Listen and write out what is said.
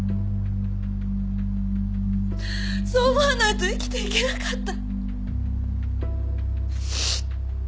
そう思わないと生きていけなかった！